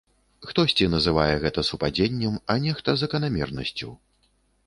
Хтосьці называе гэта супадзеннем, а нехта заканамернасцю.